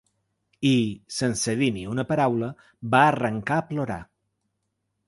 I, sense dir ni una paraula, va arrencar a plorar.